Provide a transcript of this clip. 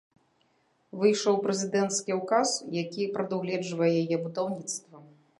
Выйшаў прэзідэнцкі ўказ, які прадугледжвае яе будаўніцтва.